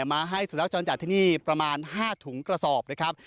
มาให้สุนัขจรจัดที่นี่ประมาณ๕ถุงกระสอบนะครับ